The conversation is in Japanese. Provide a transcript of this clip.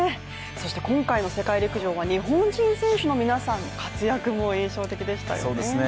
そして今回の世界陸上は日本人選手の皆さんの活躍も印象的でしたよね。